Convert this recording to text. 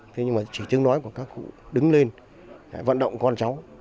thế nhưng mà chỉ chứng nói của các cụ đứng lên vận động con cháu